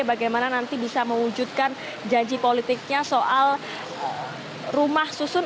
bagaimana nanti bisa mewujudkan janji politiknya soal rumah susun